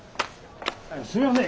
すみません。